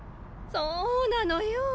そうなのよ。